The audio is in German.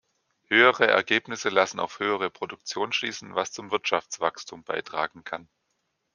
Höhere Ergebnisse lassen auf höhere Produktion schließen, was zum Wirtschaftswachstum beitragen kann.